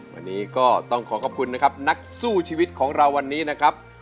วันนี้ก็ต้องขอขอบคุณนะครับนักสู้ชีวิตของเราวันนี้นะครับ